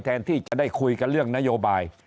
แทนที่จะได้คุยกันเรื่องนโยบาย